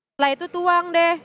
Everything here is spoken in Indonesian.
setelah itu tuang deh